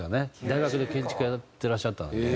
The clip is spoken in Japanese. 大学で建築やってらっしゃったので。